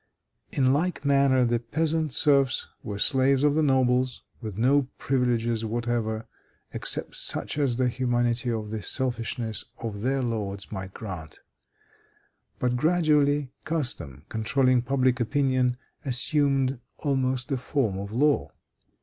In like manner the peasant serfs were slaves of the nobles, with no privileges whatever, except such as the humanity or the selfishness of their lords might grant But gradually custom, controlling public opinion, assumed almost the form of law.